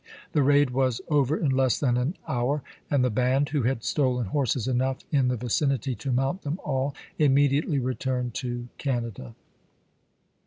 The raid was over in less than an hour, and the band, who had stolen horses enough in the \icinity to mount them all, immediately retui'ned to Canada.